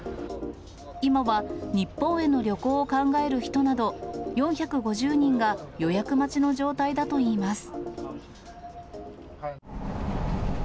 今は日本への旅行を考える人など、４５０人が予約待ちの状態だといいます。